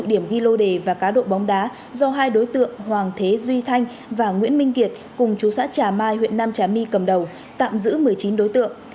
điểm ghi lô đề và cá độ bóng đá do hai đối tượng hoàng thế duy thanh và nguyễn minh kiệt cùng chú xã trà mai huyện nam trà my cầm đầu tạm giữ một mươi chín đối tượng